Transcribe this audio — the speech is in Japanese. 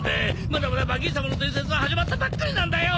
まだまだバギーさまの伝説は始まったばっかりなんだよ！